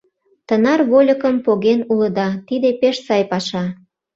— Тынар вольыкым поген улыда, тиде пеш сай паша!